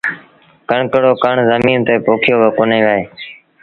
ڪڻڪ رو ڪڻ زميݩ تي پوکيو ڪونهي وهي